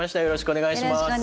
よろしくお願いします。